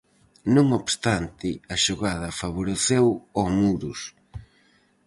Non obstante, a xogada favoreceu ao Muros.